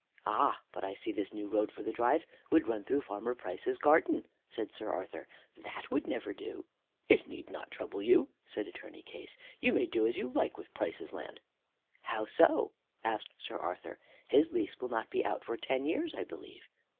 "Ah! but I see this new road for the drive would run through Farmer Price's garden," said Sir Arthur. "That would never do." "It need not trouble you," said Attorney Case, "you may do as you like with Price's land." "How so?" asked Sir Arthur. "His lease will not be out for ten years, I believe."